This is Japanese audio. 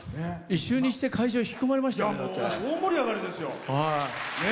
一瞬にして会場が引き込まれましたよね。